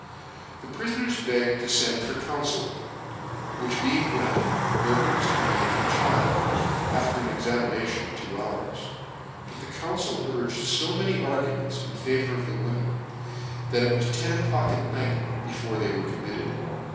The prifoners begged to fend for council ; which being granted, Noble was committed for trial, after an examination of two hours , but the council urged fo many arguments in favour of the women, that it was ten o'clock at night be fore they were committed.